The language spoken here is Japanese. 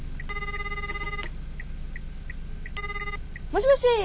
もしもし。